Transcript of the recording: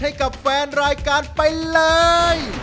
ให้กับแฟนรายการไปเลย